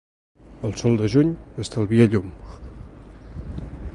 El sol de juny estalvia llum.